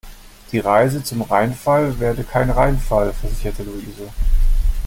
Die Reise zum Rheinfall werde kein Reinfall, versicherte Louise.